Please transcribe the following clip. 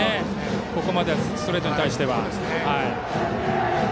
ここまでストレートに対しては。